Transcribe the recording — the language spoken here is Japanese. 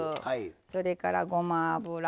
それから、ごま油。